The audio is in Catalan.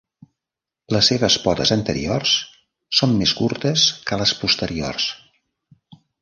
Les seves potes anteriors són més curtes que les posteriors.